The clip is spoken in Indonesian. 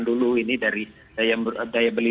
dulu ini dari daya beli